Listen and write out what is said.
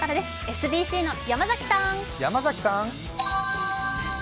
ＳＢＣの山崎さん。